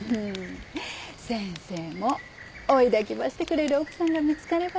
先生も追いだきばしてくれる奥さんが見つかればよかね。